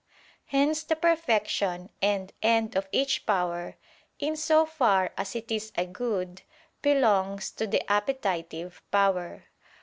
Hence the perfection and end of each power, in so far as it is a good, belongs to the appetitive power.